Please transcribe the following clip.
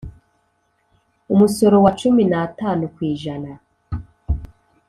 Umusoro wa cumi n atanu ku ijana